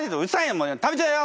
もう食べちゃうよ！